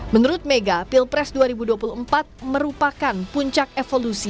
menurut mega pilpres dua ribu dua puluh empat merupakan puncak evolusi